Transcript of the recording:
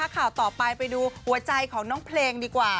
ข่าวต่อไปไปดูหัวใจของน้องเพลงดีกว่า